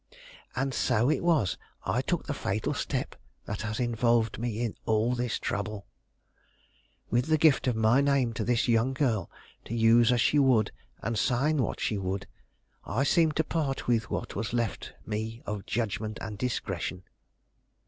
And so it was I took the fatal step that has involved me in all this trouble. With the gift of my name to this young girl to use as she would and sign what she would, I seemed to part with what was left me of judgment and discretion.